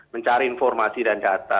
mencari informasi dan data